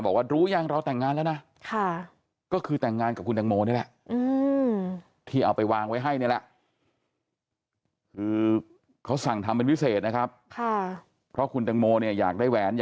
บอกว่ารู้ยังเราแต่งงานแล้วนะก็คือแต่งงานกับคุณตังโมนี่แหละ